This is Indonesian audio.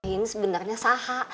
ini sebenarnya saha